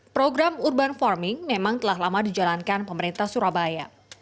program urban farming memang telah lama dijalankan pemerintah surabaya